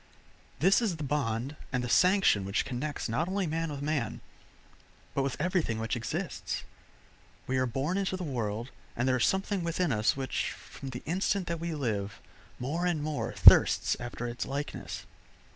This is the bond and the sanction which connects not only man with man, but with everything which exists. We are born into the world, and there is something within us which, from the instant that we live, more and more thirsts after its likeness.